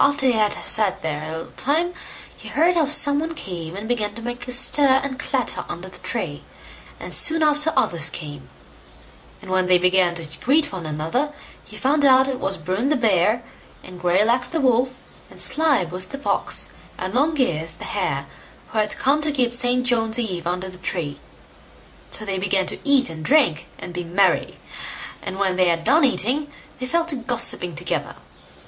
After he had sat there a little time, he heard how some one came and began to make a stir and clatter under the tree, and soon after others came; and when they began to greet one another, he found out it was Bruin the bear, and Greylegs the wolf, and Slyboots the fox, and Longears the hare who had come to keep St. John's eve under the tree. So they began to eat and drink, and be merry; and when they had done eating, they fell to gossipping together.